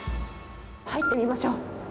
入ってみましょう。